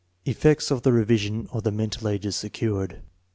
Effects of the revision on the mental ages secured.